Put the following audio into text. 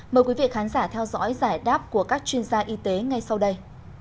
mời quý vị khán giả theo dõi giải đáp của các chuyên gia y tế ngay sau đây